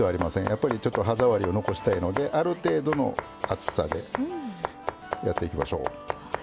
やっぱりちょっと歯触りを残したいのである程度の厚さでやっていきましょう。